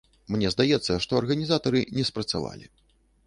Мне здаецца, што арганізатары не спрацавалі.